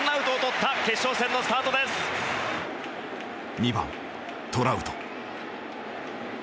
２番トラウト。